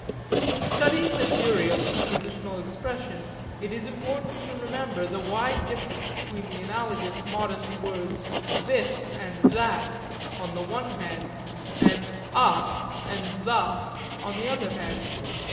In studying the theory of propositional expression it is important to remember the wide difference between the analogous modest words 'this' and 'that' on the one hand and 'a' and 'the' on the other hand.